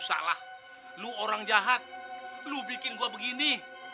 salah lo orang jahat lu bikin gua begini